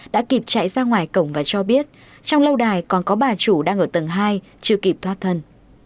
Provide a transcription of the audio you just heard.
đã kịp chạy ra ngoài cổng và cho biết trong lâu đài còn có bà chủ đang ở tầng hai chưa kịp thoát thân